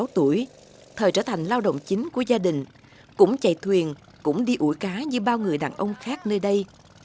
sáu mươi sáu tuổi thời trở thành lao động chính của gia đình cũng chạy thuyền cũng đi ủi cá như bao người đàn ông khác nơi đây